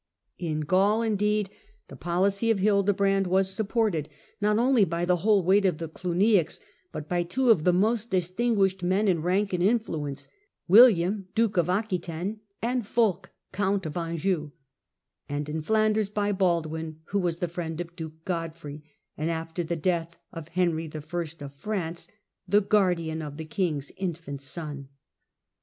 In Gaul, indeed, the policy Digitized by VjOOQIC Nicolas 11. and Alexander 11. 51 of Hildebrand was supported, not only by the wliole weight of the Clugniacs, but by two of the most dis tinguished men in rank and influence — William, duke of Aquitaine, and Pulk, count of Anjou — and in Flan ders by Baldwin, who was the friend of duke Godfrey, and after the death of Henry I. of France the guardian of the king's infant son.